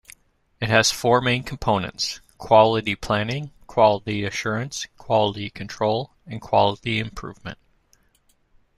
It has four main components: quality planning, quality assurance, quality control and quality improvement.